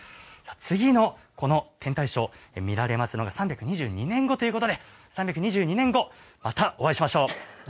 次のこの天体ショー、見られますのが３２２年後ということで、３２２年後、また、お会いしましょう。